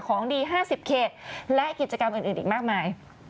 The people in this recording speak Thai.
ของดีห้าสิบเกตและกิจกรรมอื่นอื่นอีกมากมาย